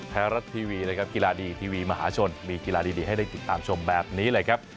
ไทยรัฐทีวีนะครับกีฬาดีทีวีมหาชนมีกีฬาดีให้ได้ติดตามชมแบบนี้เลยครับ